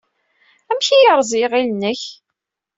Amek ay yerreẓ yiɣil-nnek?